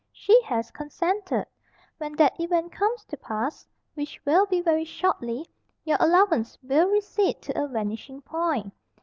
She has consented. When that event comes to pass which will be very shortly your allowance will recede to a vanishing point.